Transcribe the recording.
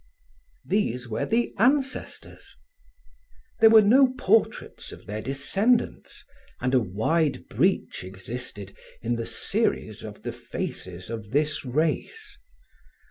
These were the ancestors. There were no portraits of their descendants and a wide breach existed in the series of the faces of this race.